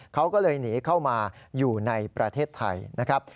เขาก็เลยหนีเข้ามาอยู่ในประเทศไทยนะครับ